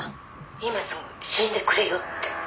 「“今すぐ死んでくれよ”って」